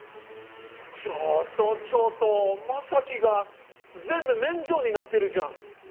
ちょっとちょっと将希が全部免除になってるじゃん！